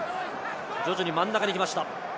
徐々に真ん中に来ました。